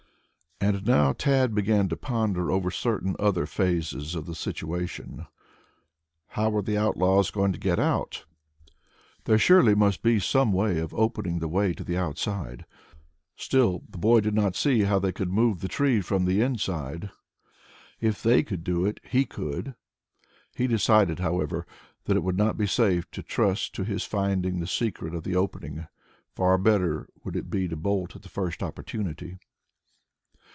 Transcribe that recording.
And now Tad began to ponder over certain other phases of his situation. How were these outlaws going to get out? There surely must be some way of opening the way to the outside. Still, the boy did not see how they could move the tree from the inside. If they could do it he could. He decided, however, that it would not be safe to trust to his finding the secret of the opening. Far better would it be to bolt at the first opportunity.